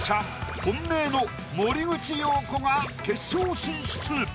本命の森口瑤子が決勝進出。